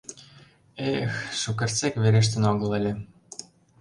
Э-эх, шукертсек верештын огыл ыле...